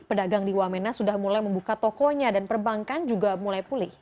pedagang di wamena sudah mulai membuka tokonya dan perbankan juga mulai pulih